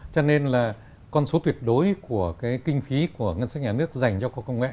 cho nên là con số tuyệt đối của cái kinh phí của ngân sách nhà nước dành cho khoa công nghệ